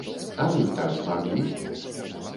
А вы б так змаглі?